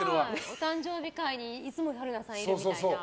お誕生日会にいつも春菜さんがいるみたいな。